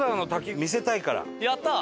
やったー！